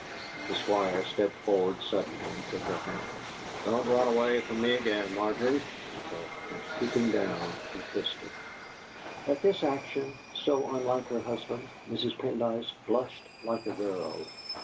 The Squire stepped forward suddenly and took her hand. "Don't run away from me again, Margery!" he said; and stooping down, he kissed it. At this action, so unlike her husband, Mrs. Pendyce blushed like a girl.